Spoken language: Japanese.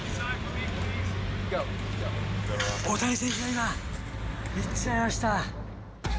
大谷選手が今、行っちゃいました。